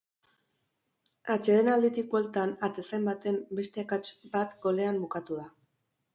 Atsedenalditik bueltan, atezain baten beste akats bat golean bukatu da.